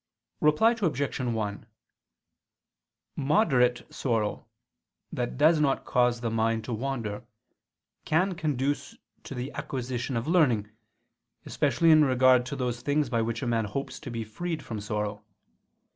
Reply Obj. 1: Moderate sorrow, that does not cause the mind to wander, can conduce to the acquisition of learning especially in regard to those things by which a man hopes to be freed from sorrow.